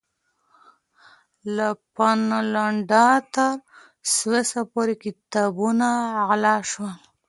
له فنلنډه تر سويس پورې کتابونه غلا شول.